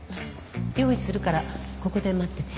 用意するからここで待ってて。